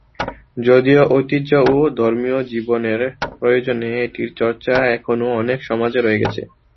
যদিও ঐতিহ্য ও ধর্মীয় জীবনের প্রয়োজনে এটির চর্চা এখনো অনেক সমাজে রয়ে গেছে।